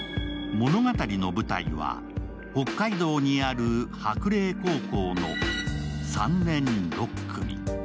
物語の舞台は北海道にある白麗高校の３年６組。